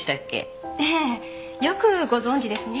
ええよくご存じですね。